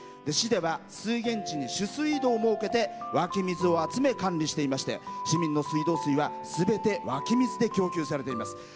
市では水源地に取水井戸を設けて湧き水を集め管理していまして市民の水道水は全て湧き水で供給されています。